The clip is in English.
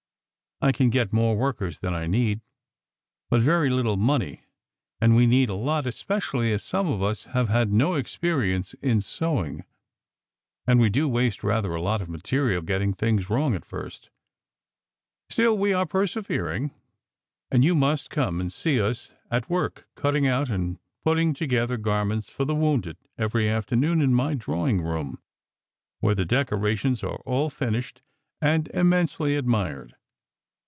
I can get more workers than I need, but very little money, and we need a lot, especially as some of us have had no experience in sewing and we do waste rather a lot of material getting things wrong at first ! Still, we are persevering, and you must come and see us at work cutting out and putting together garments for the wounded every afternoon in my drawing room, where the decorations are all finished and immensely admired.